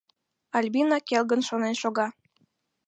Альбина келгын шонен шога.